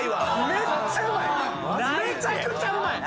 めちゃくちゃうまい！